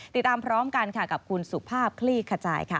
ติดตามพร้อมกันค่ะกับคุณสุภาพคลี่ขจายค่ะ